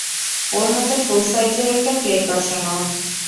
ওর হাতে ফুল-সাইজের একটা প্লেট বসানো।